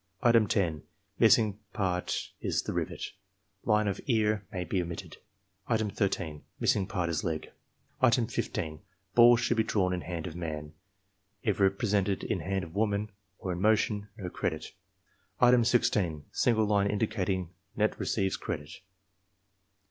Item 10. — ^Missing part is the rivet. Line of "ear" may be omitted. Item 13. — Missing part is leg. Item 16. — ^Ball should be drawn in hand of man. If repre sented in hand of woman, or in motion, no credit. Item 16. — Single line indicating net receives credit.